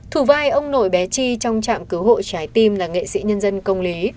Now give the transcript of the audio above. thủ vai ông nổi bé chi trong trạm cứu hộ trái tim là nghệ sĩ nhân dân công lý